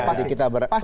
pasti kita akan sering